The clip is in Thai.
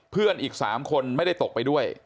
เพื่อนอีก๓คนไม่ได้ตกไปด้วย